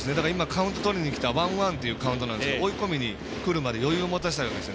カウントとりにきたワンワンっていうカウントですが追い込みにくるまで余裕を持たせたいんです